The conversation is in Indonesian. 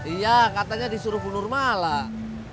iya katanya disuruh bunur malah